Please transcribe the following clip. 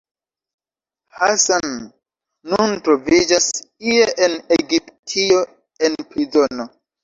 Hassan nun troviĝas ie en Egiptio, en prizono.